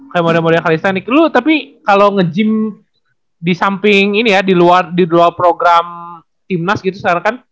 kayak mode mode kalisthenik lu tapi kalau nge gym di samping ini ya di luar program timnas gitu sekarang kan